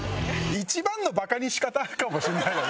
一番のバカに仕方かもしれないよね